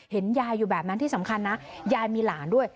เห็นยายอยู่แบบนั้นที่สำคัญนะยายมีหลานด้วย